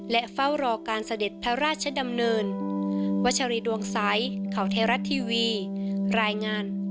และเฝ้ารอการเสด็จพระราชดำเนิน